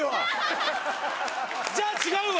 じゃあ違うわ。